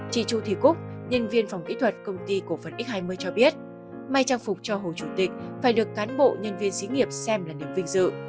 chị chu thị cúc nhân viên phòng kỹ thuật công ty cổ phần x hai mươi cho biết may trang phục cho hồ chủ tịch phải được cán bộ nhân viên xí nghiệp xem là niềm vinh dự